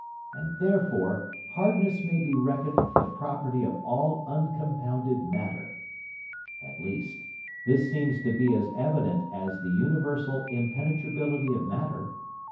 And therefore Hardness may be reckon'd the Property of all uncompounded Matter. At least, this seems to be as evident as the universal Impenetrability of Matter.